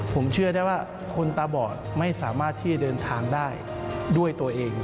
ผมเชื่อได้ว่าคนตาบอดไม่สามารถที่จะเดินทางได้ด้วยตัวเอง